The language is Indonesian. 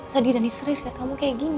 sedih dan serius lihat kamu kayak gini